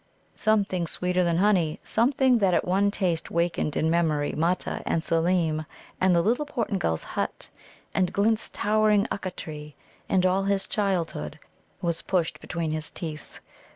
Something sweeter than honey, something that at one taste wakened in memory Mutta, and Seelem, and the little Portingal's hut, and Glint's towering Ukka tree, and all his childhood, was pushed between his teeth.